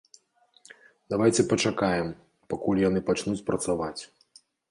Давайце пачакаем, пакуль яны пачнуць працаваць.